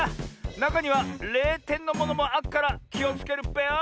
なかには０てんのものもあっからきをつけるっぺよ！